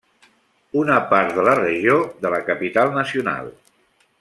Una part de la regió de la capital nacional.